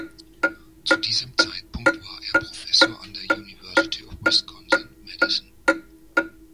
Zu diesem Zeitpunkt war er Professor an der University of Wisconsin–Madison.